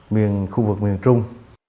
miền khu vực miền trung